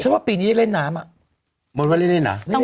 ฉันว่าปีนี้ได้เล่นนำอะมันว่าเล่นเล่นเหรอเล่นเล่น